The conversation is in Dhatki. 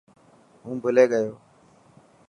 هون ڀلي گيو.